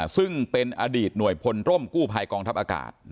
ซึ่งเป็นอดีตหน่วยพลร่มกู้ภัยกองทัพอากาศ